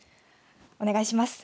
お願いします。